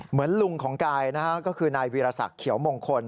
เหมือนลุงของกายนะฮะก็คือนายวีรศักดิ์เขียวมงคล